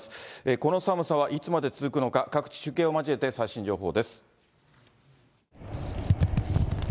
この寒さはいつまで続くのか、各地、中継を交えて最新情報です。